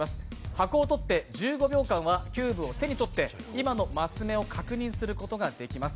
箱を取って、１５秒間はキューブを手に取って今のマス目を確認することができます。